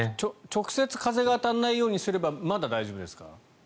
直接風が当たらないようにすればまだ大丈夫ですか？